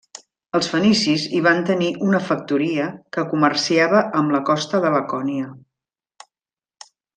Els fenicis hi van tenir una factoria que comerciava amb la costa de Lacònia.